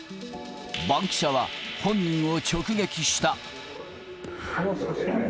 バンキシャは本人を直撃した。